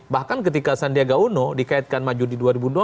bahkan ketika sandiaga uno dikaitkan maju di dua ribu dua puluh